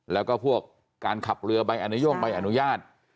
แล้วก็พวกการขับเรือใบอนุโย่งใบอนุญาต